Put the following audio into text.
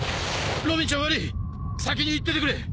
ロビンちゃん悪い先に行っててくれ。